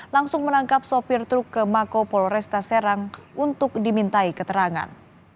langsung menangkap sopir truk ke mako polresta serang untuk dimintai keterangan